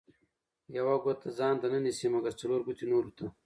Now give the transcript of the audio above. ـ يوه ګوته ځانته نه نيسي، مګر څلور ګوتې نورو ته.